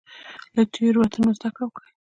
له تیروتنو زده کړه وکړئ